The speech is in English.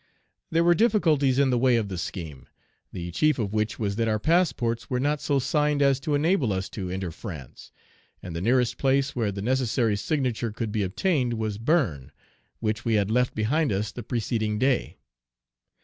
There were difficulties in the way of the scheme, the chief of which was that our passports were not so signed as to enable us to enter France, and the nearest place where the necessary signature could be obtained was Page 343 Berne, which we had left behind us the preceding day.